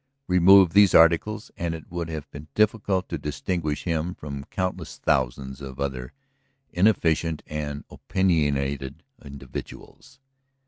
Remove these articles and it would have been difficult to distinguish him from countless thousands of other inefficient and opinionated individuals.